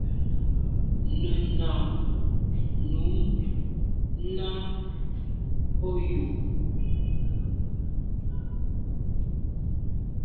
Nenà num nà o yo.